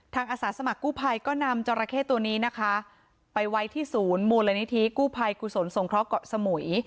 อาสาสมัครกู้ภัยก็นำจราเข้ตัวนี้นะคะไปไว้ที่ศูนย์มูลนิธิกู้ภัยกุศลสงเคราะห์เกาะสมุย